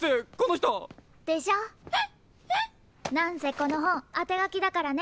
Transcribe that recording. なんせこのほんあてがきだからね。